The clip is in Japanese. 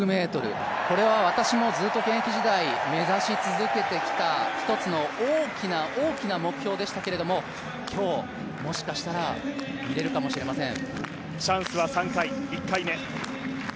これは私もずっと現役時代目指し続けてきた、一つの大きな大きな目標でしたけれども今日、もしかしたら見られるかもしれません。